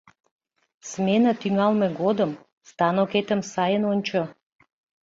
Смене тӱҥалме годым станокетым сайын ончо.